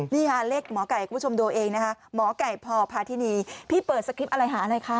นี่ค่ะเลขหมอไก่คุณผู้ชมดูเองนะคะหมอไก่พอพาทินีพี่เปิดสคริปต์อะไรหาอะไรคะ